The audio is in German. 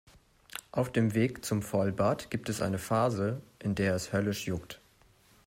Auf dem Weg zum Vollbart gibt es eine Phase, in der es höllisch juckt.